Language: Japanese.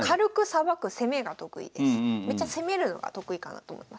めっちゃ攻めるのが得意かなと思います。